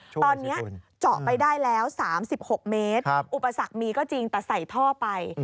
ตอนนี้เจาะไปได้แล้ว๓๖เมตรอุปสรรคมีก็จริงแต่ใส่ท่อไป